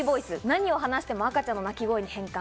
何を話しても赤ちゃんの泣き声に変換。